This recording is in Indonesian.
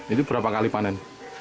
ini berapa kali panen